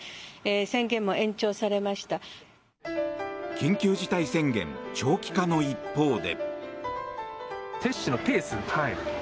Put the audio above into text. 緊急事態宣言長期化の一方で。